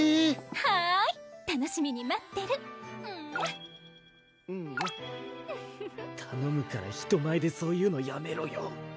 はい楽しみに待ってるたのむから人前でそういうのやめろよ